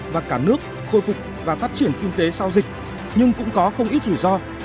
và cả nước khôi phục và phát triển kinh tế sau dịch nhưng cũng có không ít rủi ro